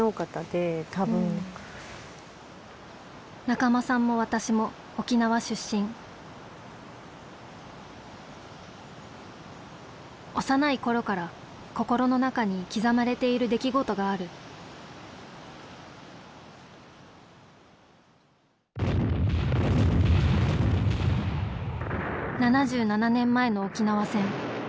仲間さんも私も沖縄出身幼い頃から心の中に刻まれている出来事がある７７年前の沖縄戦。